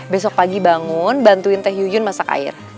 besok pagi bangun bantuin teh yuyun masak air